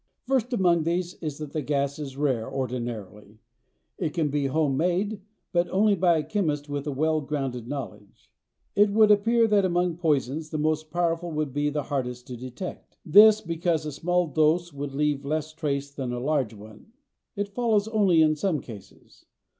First among these is that the gas is rare, ordinarily. It can be home made but only by a chemist with a well grounded knowledge. It would appear that, among poisons, the most powerful would be the hardest to detect. This because a small dose would leave less trace than a large one. It follows only in some cases.